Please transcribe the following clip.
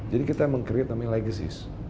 jadi kita meng create nama yang legasis